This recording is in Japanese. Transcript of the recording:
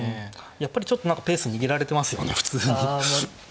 やっぱりちょっと何かペース握られてますよね普通に。